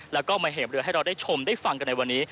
แล้วก็มาเห็บเรือให้เราได้ชมได้ฟังกันในวันนี้